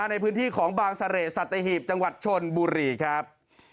ในพื้นที่ของบางเสร่สัตหีบจังหวัดชนบุรีครับ